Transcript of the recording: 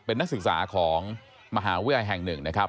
เป็นนักศึกษาของมหาเวรแห่ง๑นะครับ